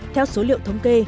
theo số liệu thống kê